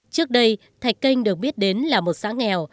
trước đây thạch canh được biết đến là một xã nghèo